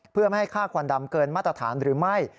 เพื่อไม่ให้ค่าควันดำเกินมาตรฐานหรือไม่